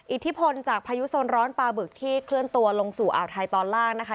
อิทธิพลจากพายุโซนร้อนปลาบึกที่เคลื่อนตัวลงสู่อ่าวไทยตอนล่างนะคะ